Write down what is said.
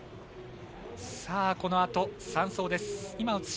このあと、３走です。